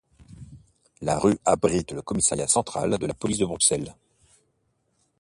La rue abrite le commissariat central de la police de Bruxelles.